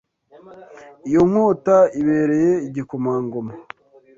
Iyo nkota ibereye igikomangoma.